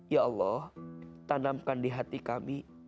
ya allah tanamkan di hati kami